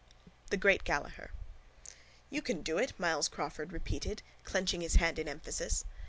THE GREAT GALLAHER —You can do it, Myles Crawford repeated, clenching his hand in emphasis.